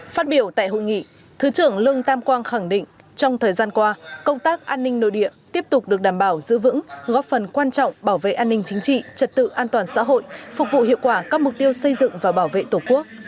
phát biểu tại hội nghị thứ trưởng lương tam quang khẳng định trong thời gian qua công tác an ninh nội địa tiếp tục được đảm bảo giữ vững góp phần quan trọng bảo vệ an ninh chính trị trật tự an toàn xã hội phục vụ hiệu quả các mục tiêu xây dựng và bảo vệ tổ quốc